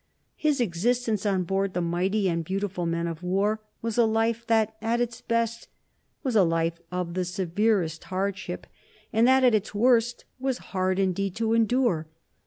His existence on board the mighty and beautiful men of war was a life that at its best was a life of the severest hardship, and that at its worst was hard indeed to endure.